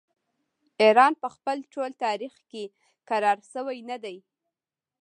ایران په خپل ټول تاریخ کې کرار شوی نه دی.